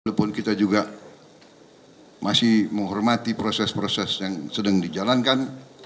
walaupun kita juga masih menghormati proses proses yang sedang dijalankan